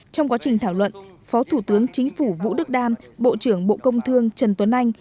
trong quá trình thảo luận phó thủ tướng chính phủ vũ đức đam bộ trưởng bộ công thương trần tuấn anh